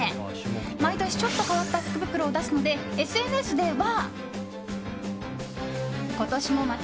毎年、ちょっと変わった福袋を出すので、ＳＮＳでは。